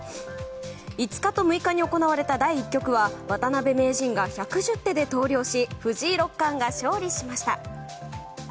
５日と６日に行われた第１局は渡辺名人が１１０手で投了し藤井六冠が勝利しました。